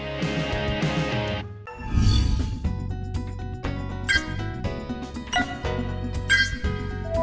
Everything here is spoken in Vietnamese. cảm ơn các bạn